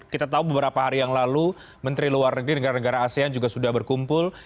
kita tahu beberapa hari yang lalu menteri luar negeri negara negara asean juga sudah berkumpul